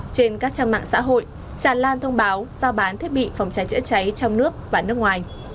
trên các trang mạng xã hội tràn lan thông báo giao bán thiết bị phòng cháy chữa cháy trong nước và nước ngoài